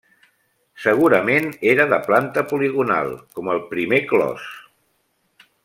Segurament era de planta poligonal, com el primer clos.